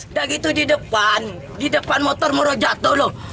tidak gitu di depan di depan motor murah jatuh loh